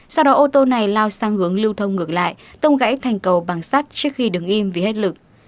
sau đó ô tô này lao sang hướng lưu thông ngược lại tông gãy thành cầu bằng sắt trước khi đứng im vì hết lực